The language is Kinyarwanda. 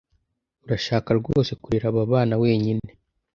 Urashaka rwose kurera aba bana wenyine